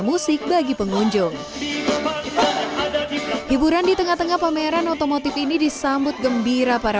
musik bagi pengunjung hiburan di tengah tengah pameran otomotif ini disambut gembira para